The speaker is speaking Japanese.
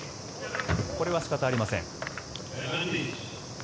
これは仕方ありません。